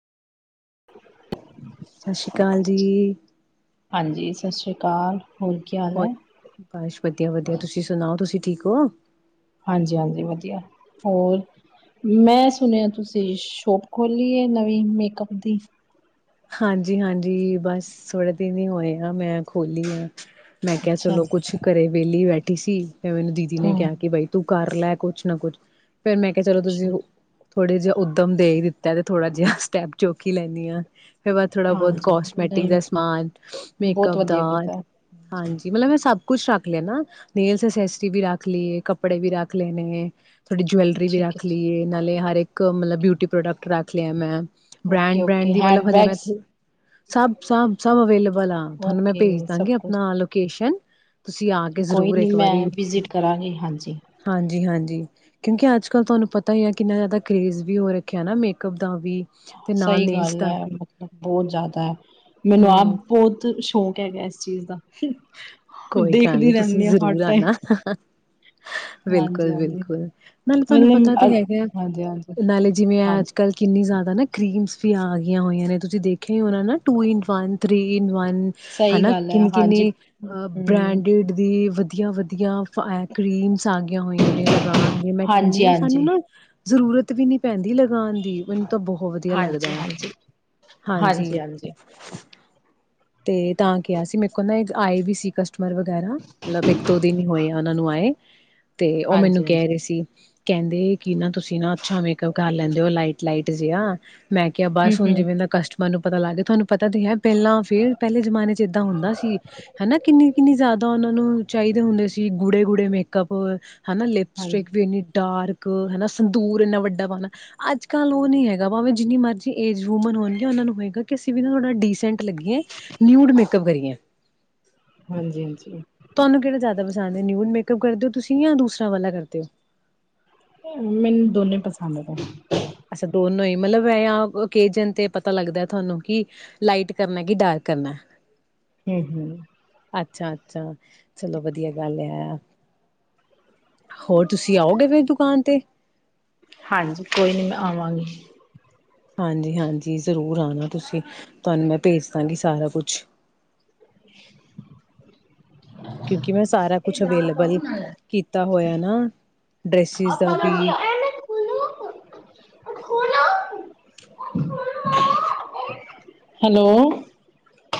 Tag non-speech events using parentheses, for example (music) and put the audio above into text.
ਸਤਿ ਸ੍ਰੀ ਅਕਾਲ ਜੀ। ਹਾਂਜੀ, ਸਤਿ ਸ਼੍ਰੀ ਅਕਾਲ। ਹੋਰ ਕੀ ਹਾਲ ਹੋਰ ਹੈ ਬਸ ਵਧੀਆ-ਵਧੀਆ, ਤੁਸੀਂ ਸੁਣਾਓ? ਤੁਸੀਂ ਠੀਕ ਹੋ? ਹਾਂਜੀ-ਹਾਂਜੀ ਵਧੀਆ, ਹੋਰ ਮੈਂ ਸੁਣਿਆ ਤੁਸੀਂ ਸ਼ੋਪ ਖੋਲੀ ਹੈ ਨਵੀਂ ਮੇਕਅਪ ਦੀ? ਹਾਂਜੀ-ਹਾਂਜੀ ਬਸ ਥੋੜੇ ਦਿਨ ਹੀ ਹੋਏ ਆ ਮੈਂ ਖੋਲੀ ਆ। ਮੈਂ ਕਿਹਾ ਅੱਛਾ ਚਲੋ ਜੀ ਕੁਛ ਕਰੇ। ਵਿਹਲੀ ਬੈਠੀ ਸੀ ਫੇਰ ਮੈਨੂੰ ਦੀਦੀ ਨੇ ਹਮ ਕਿਹਾ ਕਿ ਬਾਈ ਤੂੰ ਕਰ ਕਰ ਲੈ ਕੁਛ ਨਾ ਕੁੱਛ। ਫੇਰ ਮੈਂ ਕਿਹਾ ਚਲੋ ਤੁਸੀਂ ਠੀਕ। ਥੋੜੇ ਜਿਹਾ ਉੱਦਮ ਦੇ ਹੀ ਦਿੱ ਚਲੋ ਥੋੜਾ ਜਿਹਾ ਸਟੈਪ ਚੁੱਕ ਹੀ ਲੈਂਣੀ ਹਾਂ। ਫਿਰ ਬਸ ਥੋੜ੍ਹਾ ਬਹੁਤ ਹਾਂਜੀ ਹਾਂਜੀ, ਕੋਸਮੈਟਿਕ ਦਾ ਨਹੀਂ ਸਮਾਨ, ਬਹੁਤ ਮੇਕਅਪ ਦਾ, ਵਧੀਆ ਕੀਤਾ ਹਾਂਜੀ ਮਤਲਬ ਮੈਂ ਸਭ ਕੁਛ ਰੱਖ ਲਿਆ ਨਾ, ਨੇਲਸ ਐਸੇਸਰੀ ਵੀ ਰੱਖ ਲਈ ਏ, ਕੱਪੜੇ ਵੀ ਰੱਖ ਲਏ ਨੇ। ਥੋਡੀ ਜੁਵੈਲਰੀ ਵੀ ਠੀਕ ਹੈ ਰੱਖ ਜੀ। ਲਈਏ, ਨਾਲੇ ਹਰ ਇੱਕ ਮਤਲਬ ਬਿਊਟੀ ਪ੍ਰੋਡਕਟ ਰੱਖ ਲਿਆ ਮੈਂ। ਓਕੇ ਬ੍ਰੈਂਡ-ਬ੍ਰੈਂਡ ਓਕੇ ਦੀ ਹੈਂਡ ਮਤਲਬ ਹਜੇ ਮੈਂ ਬੈਗਸ ਸਭ-ਸਭ-ਸਭ ਅਵੇਲੇਬਲ ਆ, ਤੁਹਾਨੂੰ ਮੈਂ ਓਕੇ ਭੇਜ ਸਭ ਦਾਂਗੀ ਕੁਛ ਆਪਣਾ ਲੋਕੇਸ਼ਨ। ਤੁਸੀਂ ਆ ਕੇ ਕੋਈ ਜ਼ਰੂਰ ਨਹੀਂ ਇੱਕ ਮੈਂ ਵਾਰੀ, ਵਿਜ਼ਿਟ ਕਰਾਂਗੀ ਹਾਂਜੀ ਹਾਂਜੀ-ਹਾਂਜੀ। ਜੀ, ਕਿਉਂਕਿ ਅੱਜ ਕਲ ਤੁਹਾਨੂੰ ਪਤਾ ਹੀ ਏ ਕਿੰਨਾ ਜਿਆਦਾ ਕਰੇਜ ਵੀ ਹੋ ਰੱਖਿਆ ਨਾ ਮੇਕਅਪ ਦਾ ਵੀ, ਤੇ ਨਾਲ ਸਹੀ ਨੇਲਸ ਗੱਲ ਦਾ ਹੈ ਵੀ। ਮਤਲਬ ਬਹੁਤ ਜ਼ਿਆਦਾ ਹੈ, ਮੈਨੂੰ ਆਪ ਹੂੰ ਬਹੁਤ ਸ਼ੌਕ ਹੈਗਾ ਇਸ ਚੀਜ਼ ਚੀਜ਼ ਦਾ। ਕੋਈ ਗੱਲ ਨੀ, ਦੇਖਦੀ ਤੁਸੀਂ ਰਹਿੰਦੀ ਹਾਂ ਹਰ ਜ਼ਰੂਰ ਆਣਾ। ਟਾਈਮ ਹਾਂਜੀ ਹਾਂਜੀ ਬਿਲਕੁਲ-ਬਿਲਕੁਲ, ਨਾਲੇ ਤੁਹਾਨੂੰ ਮਤਲਬ ਪਤਾ ਅ ਤੇ ਹੈਗਾ ਏ, ਹਾਂਜੀ ਹਾਂਜੀ ਨਾਲੇ ਜਿਵੇਂ ਏਹ ਅੱਜ ਹਾਂਜੀ ਕੱਲ ਕਿੰਨੀ ਜ਼ਿਆਦਾ ਓਦਾਂ ਨਾ ਕਰੀਮਸ ਵੀ ਆ ਗਈਆਂ ਹੋਈਆਂ ਨੇ, ਤੁਸੀਂ ਦੇਖਿਆ ਹੀ ਹੋਣਾ ਨਾ two in one, three in ਹਨ ਸਹੀ ਹਨਾ, ਗੱਲ ਹੈ ਹਾਂਜੀ ਕਿੰਨੀ-ਕਿੰਨੀ ਹਮ ਬਰਾਂਡਿਡ ਦੀ ਦੀ ਵਧੀਆ-ਵਧੀਆ ਕਰੀਮਸ ਆਗਿਆਂ ਹੋਈਆਂ ਨੇ, ਲਗਾਉਣ ਦੀ ਮੈਂ ਕਹਿੰਣੀ ਹਾਂਜੀ ਹਾਂ ਸਾਨੂੰ ਹਾਂਜੀ ਨਾ ਜ਼ਰੂਰਤ ਵੀ ਨੀ ਪੈਂਦੀ ਲਗਾਣ ਦੀ, ਮੈਨੂੰ ਤਾਂ ਬੁਹੁ ਵਧੀਆ ਹਾਂਜੀ ਲੱਗਦੈ। ਹਾਂਜੀ ਹਾਂਜੀ। ਤੇ ਤਾਂ ਕਿਹਾ ਸੀ, ਮੇਰੇ ਕੋ ਨਾ ਆਏ ਵੀ ਸੀ ਕ ਸਟਮਰ ਵਗੈਰਾ, ਮਤਲਬ ਇੱਕ ਦੋ ਦਿਨ ਈ ਹੋਏ ਆ ਉਹਨਾਂ ਨੂੰ ਆਏ। ਤੇ ਉਹ ਮੈਨੂੰ ਹਾਂਜੀ ਕਹਿ ਹਾਂਜੀ ਰਹੇ ਸੀ, ਕਹਿੰਦੇ ਕਿ ਨਾ ਤੁਸੀਂ ਨਾ ਅੱਛਾ ਮੇਕਅਪ ਕਰ ਲੈਂਦੇ ਓ, ਲਾਈਟ ਲਾਈਟ। ਜਿਆ ਮੈਂ ਕਿਆ ਬਸ ਹਮ ਹੁਣ ਹਮ ਜਿਵੇਂ ਦਾ ਕਸਟ ਮਰ ਨੂੰ ਪਤਾ ਲੱਗ ਗਿਆ, ਤੁਹਾਨੂੰ ਪਤਾ ਤੇ ਹੈ ਪਹਿਲਾਂ ਫੇਰ ਪਹਿਲੇ ਜਮਾਨੇ ਚ ਏਦਾਂ ਹੁੰਦਾ ਸੀ ਹਨਾ ਕਿੰਨੀ ਕਿੰਨੀ ਜ਼ਿਆਦਾ ਉਹਨਾ ਨੂੰ ਚਾਹੀਦੇ ਹੁੰਦੇ ਸੀ, ਗੂੜੇ ਗੂੜੇ ਮੇਕਅੱਪ। ਹਨਾ ਲਿਪਸਟ੍ਰਿਕ ਹਾਂਜੀ ਵੀ ਇੰਨੀ ਡਾਰਕ ਹਨਾ, ਸੰਦੂਰ ਇੰਨਾ ਵੱਡਾ ਪਾਣਾ। ਅੱਜ ਕੱਲ੍ਹ ਉਹ ਨੀ ਹੈਗਾ ਭਾਵੇਂ ਜਿੰਨੀ ਮਰਜ਼ੀ ਏਜ ਵੂਮਨ ਹੁੰਦੀ ਐ, ਉਹਨਾਂ ਨੂੰ ਹੈਗਾ ਕਿ ਅਸੀਂ ਵੀ ਨਾ ਥੋੜਾ ਡੀਸੈਂਟ ਲੱਗੀਏ, ਨਿਊਡ ਮੇਕਅਪ ਕਰੀਏ। ਹਾਂਜੀ ਹਾਂਜੀ। ਸਦ ਆ, ਨਿਊਡ ਮੇਕਅਪ ਕਰਦੇ ਹੋ ਤੁਸੀਂ ਜਾਂ ਦੂਸਰਾਾਂ ਵਾਲਾ ਕਰਦੇ ਹੋ? ਤੇ ਮੈਨੂੰ ਦੋਨੇ ਪਸੰਦ ਨੇ। ਅਸਾ ਦੋਨੋ ਈ ਮਤਲਬ ਐ ਆ ਓਕੇਜਨ ਤੇ ਪਤਾ ਲੱਗਦਾ ਤੁਹਾਨੂੰ ਕਿ ਲਾਈਟ ਕਰਨਾ ਕਿ ਡਾਰਕ ਕਰਨਾ। ਹੂੰ ਹੂੰ। ਅੱਛਾ ਅੱਛਾ, ਚਲੋ ਵਧੀਆ ਗੱਲ ਆ। ਹੋਰ ਤੁਸੀਂ ਆਓਗੇ ਫੇਰ ਦੁਕਾਨ ਤੇ? ਹਾਂਜੀ, ਕੋਈ ਨੀ ਮੈਂ ਆਵਾਂਗੀ। ਹਾਂਜੀ ਹਾਂਜੀ, ਜ਼ਰੂਰ ਆਣਾ ਤੁਸੀਂ, ਤੁਹਾਨੂੰ ਮੈਂ ਭੇਜ ਦਾਂਗੀ ਸਾਰਾ ਕੁਛ। ਕਿਉਂਕਿ ਮੈਂ ਸਾਰਾ ਕੁਛ ਅਵੇਲੇਬਲ ਕੀਤਾ ਹੋਇਆ ਨਾ, ਡਰੈਸਿਸ ਦਾ ਵੀ। (unintelligible) ਹੈਲੋ।